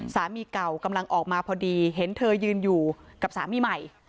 สามีเก่ากำลังออกมาพอดีเห็นเธอยืนอยู่กับสามีใหม่